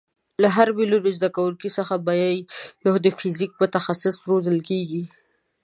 له هر میلیون زده کوونکیو څخه به یو د فیزیک متخصصه روزل کېږي.